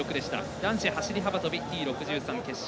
男子走り幅跳びＴ６３決勝